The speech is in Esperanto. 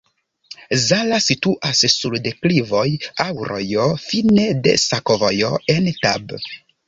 Zala situas sur deklivoj, laŭ rojo, fine de sakovojo el Tab.